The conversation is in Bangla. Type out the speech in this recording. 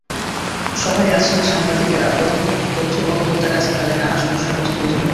সভায় রাজশাহীর সাংবাদিকেরা প্রধান তথ্য কর্মকর্তার কাছে তাঁদের নানা সমস্যার কথা তুলে ধরেন।